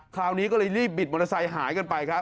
คราวนี้ก็เลยรีบบิดมอเตอร์ไซค์หายกันไปครับ